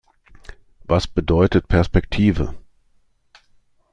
Was bedeutet Perspektive?